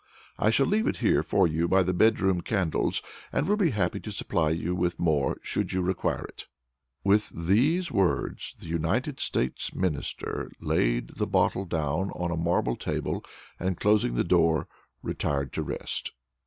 I shall leave it here for you by the bedroom candles, and will be happy to supply you with more, should you require it." With these words the United States Minister laid the bottle down on a marble table, and, closing his door, retired to rest.